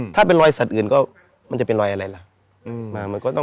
ถ้าเป็นรอยสัตว์อื่นก็มันจะเป็นรอยอะไรล่ะ